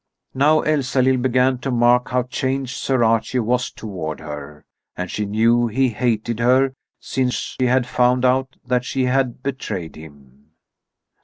Now Elsalill began to mark how changed Sir Archie was toward her. And she knew he hated her, since he had found out that she had betrayed him.